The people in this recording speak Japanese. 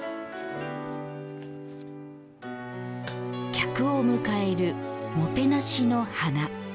客を迎える、もてなしの花。